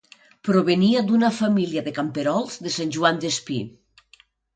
Provenia d'una família de camperols de Sant Joan Despí.